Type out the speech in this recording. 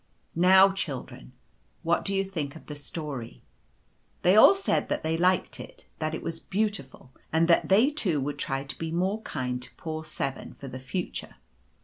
" Now, children, what do you think of the story ?" They all said that they liked it, that it was beautiful, and that they too would try to be more kind to poor 7 for the future.